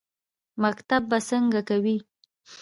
_مکتب به څنګه کوې؟